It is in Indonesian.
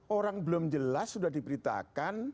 orang belum jelas sudah diberitakan